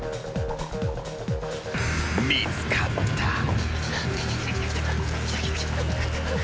［見つかった］